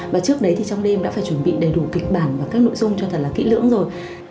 và trước đấy thì trong đêm đã phải chuẩn bị đầy đủ kịch bản và các nội dung cho thật là kỹ lưỡng rồi